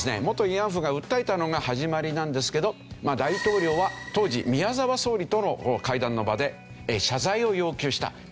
元慰安婦が訴えたのが始まりなんですけど大統領は当時宮澤総理との会談の場で謝罪を要求した。